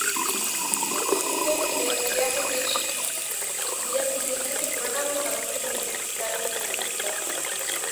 keki ya viazi lishe siagi mbili gram hamsini itahitajika